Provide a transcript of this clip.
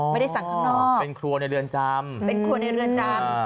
ไม่ได้สั่งข้างนอกเป็นครัวในเรือนจำเป็นครัวในเรือนจำ